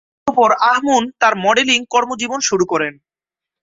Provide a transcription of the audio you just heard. অতঃপর আহ মুন তার মডেলিং কর্মজীবন শুরু করেন।